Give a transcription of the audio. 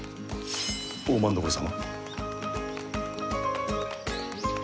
大政所様。